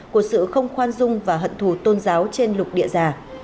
của sự không khoan dung và hận thù tôn giáo trên lục địa già